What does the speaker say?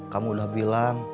kamu udah bilang